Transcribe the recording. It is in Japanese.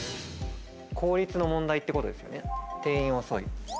効率の問題ってことですよね。